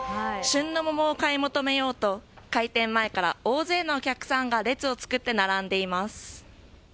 旬の桃を買い求めようと、開店前から大勢のお客さんが列を作って並んでいます。